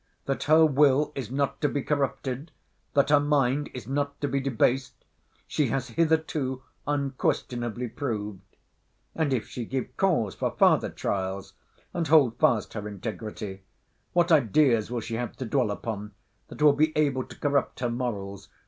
That her will is not to be corrupted, that her mind is not to be debased, she has hitherto unquestionably proved. And if she give cause for farther trials, and hold fast her integrity, what ideas will she have to dwell upon, that will be able to corrupt her morals?